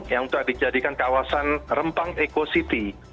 yang sudah dijadikan kawasan rempang eco city